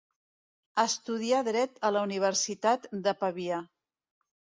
Estudià dret a la Universitat de Pavia.